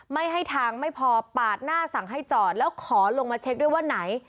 ไม่ให้ทางไม่พอปาดหน้าสั่งให้จอดแล้วขอลงมาเช็คด้วยว่าไหน